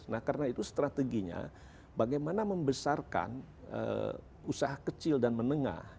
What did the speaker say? nah karena itu strateginya bagaimana membesarkan usaha kecil dan menengah